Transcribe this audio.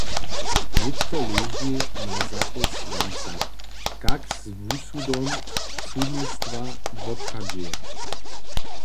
Nětko leži na zapósłancach, kak z wusudom sudnistwa wobchadźeja.